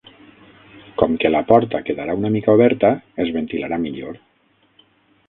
Com que la porta quedarà una mica oberta, es ventilarà millor.